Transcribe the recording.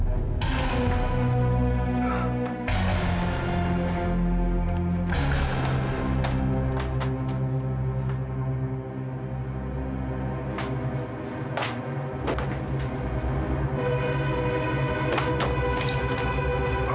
assalamualaikum pak ibu